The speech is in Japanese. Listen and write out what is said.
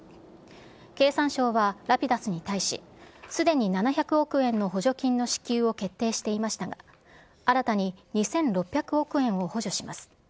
経産省はラピダスに対し、すでに７００億円の補助金の支給を決定していましたが、新たに２６００億円を補助します。